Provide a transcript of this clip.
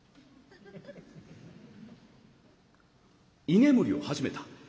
居眠りを始めた。